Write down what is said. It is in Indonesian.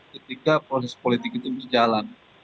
ketika proses politik itu berjalan